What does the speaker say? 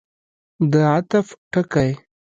د عطف ټکی.